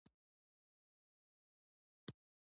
هغه د سپوږمکۍ ډیش لرونکي موټر ته اشاره وکړه